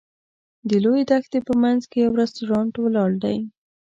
د لویې دښتې په منځ کې یو رسټورانټ ولاړ دی.